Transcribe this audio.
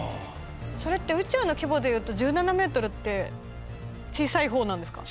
それって宇宙の規模で言うと１７メートルって小さい方なんですか？